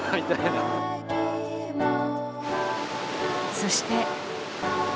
そして。